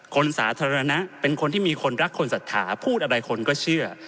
คนสาธารณะเป็นคนที่มีคนรักคนศรัทธาพูดอะไรคนก็เชื่อ